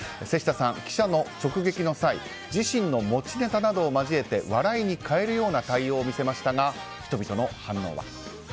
瀬下さん、記者の直撃の際自身の持ちネタなどを交えて笑いに変えるような対応を見せましたが人々の反応は。